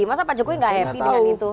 masa pak jokowi gak happy dengan itu